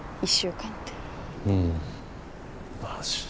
１週間ってうんまあ